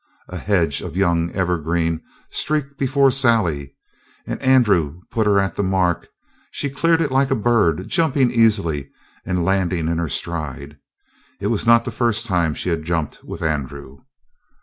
A hedge of young evergreen streaked before Sally, and Andrew put her at the mark; she cleared it like a bird, jumping easily and landing in her stride. It was not the first time she had jumped with Andrew.